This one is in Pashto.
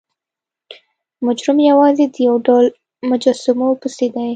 مجرم یوازې د یو ډول مجسمو پسې دی.